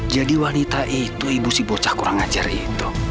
jadi wanita itu ibu si bocah kurang ajar itu